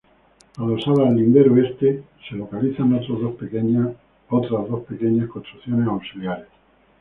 Adosadas al lindero este se localizan otras dos pequeñas construcciones auxiliares.